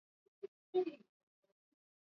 sha kumbwa na dhahama ya kimbunga cha thomas